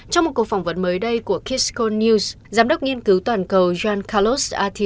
trong một cuộc phỏng vấn mới đây của kiskone news giám đốc nghiên cứu toàn cầu john carlos